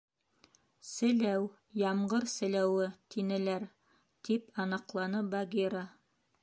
— Селәү, ямғыр селәүе тинеләр, — тип аныҡланы Багира.